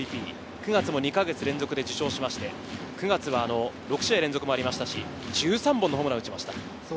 ９月も２か月連続で受賞しまして、６試合連続もありましたし、１３本のホームランを打ちました。